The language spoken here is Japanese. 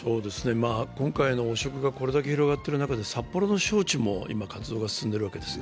今回の汚職がこれだけ広がっている中で札幌の招致も今、活動が広がってるわけです。